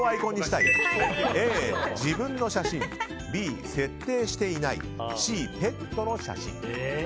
Ａ、自分の写真Ｂ、設定していないＣ、ペットの写真。